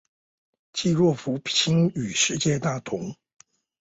濟弱扶傾與世界大同